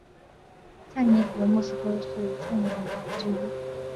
蔡格尼克是莫斯科国立大学心理学系的创立人之一。